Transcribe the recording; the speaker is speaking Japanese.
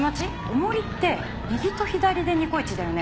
重りって右と左でニコイチだよね？